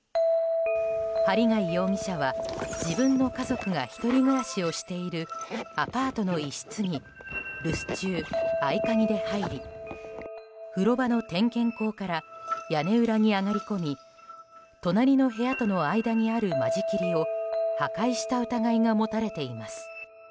針谷容疑者は自分の家族が１人暮らしをしているアパートの一室に留守中、合鍵で入り風呂場の点検口から屋根裏に上がり込み隣の部屋との間にある間仕切りを破壊した疑いが持たれています。